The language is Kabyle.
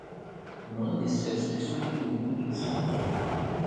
Neɣ ad d-issers aksum i ugdud-is?